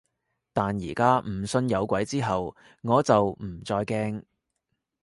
但而家唔信有鬼之後，我就唔再驚